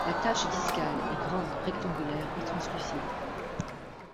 La tache discale est grande, rectangulaire et translucide.